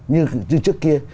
như trước kia